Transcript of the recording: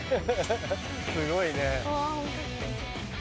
すごいね。